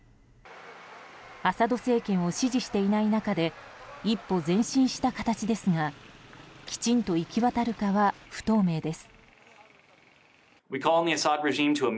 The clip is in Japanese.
アサド政権を支持していない中で一歩前進した形ですがきちんと行き渡るかは不透明です。